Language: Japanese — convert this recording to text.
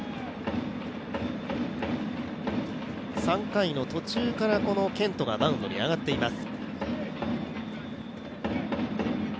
３回の途中から、このケントがマウンドに上がっています。